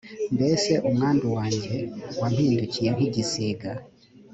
mbese umwandu wanjye wampindukiye nk’igisiga